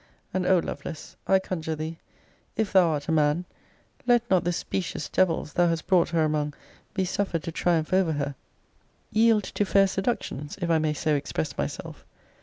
And, O Lovelace, I conjure thee, if thou art a man, let not the specious devils thou has brought her among be suffered to triumph over her; yield to fair seductions, if I may so express myself!